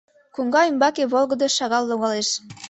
Коҥга ӱмбаке волгыдо шагал логалеш.